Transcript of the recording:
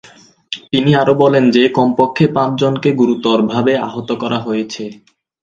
তিনি আরো বলেন যে কমপক্ষে পাঁচ জনকে গুরুতরভাবে আহত করা হয়েছে।